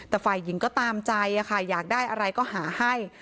แต่ฝ่ายหญิงก็ตามใจค่ะอยากได้อะไรก็หาให้